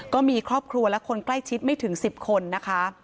ก็มีครอบครัวและคนใกล้ชิดไม่ถึง๑๐คนนะคะ